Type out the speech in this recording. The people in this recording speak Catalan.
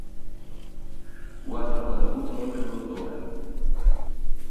Ho han reconegut membres del govern.